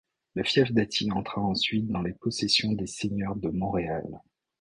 Le fief d'Athie entra ensuite dans les possessions des seigneurs de Montréal.